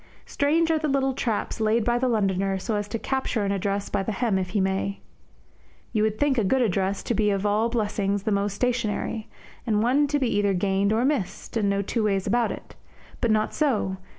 Strange are the little traps laid by the Londoner so as to capture an address by the hem if he may. You would think a good address to be of all blessings the most stationary, and one to be either gained or missed, and no two ways about it. But not so.